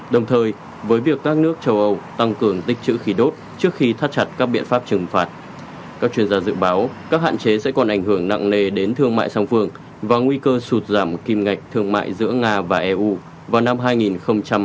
đồng thời với việc các nước châu âu tăng cường tích chữ khí đốt trước khi thắt chặt các biện pháp trừng phạt các chuyên gia dự báo các hạn chế sẽ còn ảnh hưởng nặng nề đến thương mại song phương và nguy cơ sụt giảm kim ngạch thương mại giữa nga và eu vào năm hai nghìn hai mươi